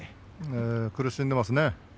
苦しんでますね。